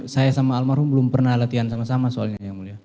saya sama almarhum belum pernah latihan sama sama soalnya yang mulia